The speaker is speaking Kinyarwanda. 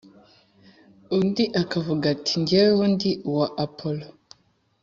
undi akavuga ati: Jyeweho ndi uwa Apolo;